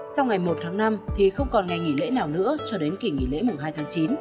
sau ngày một tháng năm thì không còn ngày nghỉ lễ nào nữa cho đến kỷ nghỉ lễ mùng hai tháng chín